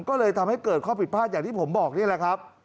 ก็เลยทำให้เกิดข้อผิดพลาดอย่างที่ผมบอกนี่แหละครับ